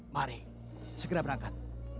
mari segera berangkat